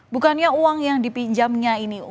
bukannya uang yang dipinjamnya ini